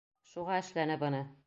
Шуға эшләне быны!